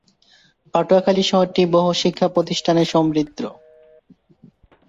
পটুয়াখালী শহরটি বহু শিক্ষাপ্রতিষ্ঠানে সমৃদ্ধ।